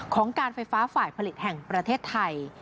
การไฟฟ้าฝ่ายผลิตแห่งประเทศไทย